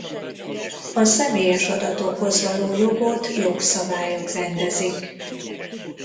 A személyes adatokhoz való jogot jogszabályok rendezik.